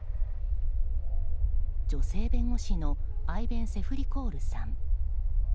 女性弁護士のアイベン・セフリコールさん。